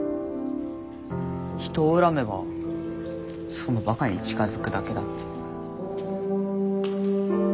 「人を恨めばそのバカに近づくだけだ」って。